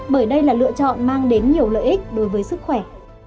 bởi đây là lựa chọn mang đến nhiều lợi ích đối với sức khỏe